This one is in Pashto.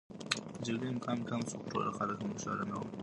د جګړې امکان کم شو، خو ټول خلک خوشحاله نه و.